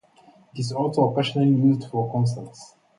It is also occasionally used for concerts.